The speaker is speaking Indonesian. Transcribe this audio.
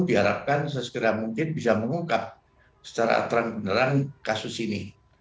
diharapkan sesegera mungkin bisa mengungkap secara terang benerang kasus ini